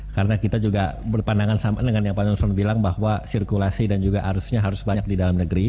karena kita juga berpandangan sama dengan yang pak nuslan bilang bahwa sirkulasi dan juga arusnya harus banyak di dalam negeri